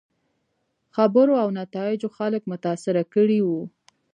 خبرو او نتایجو خلک متاثره کړي وو.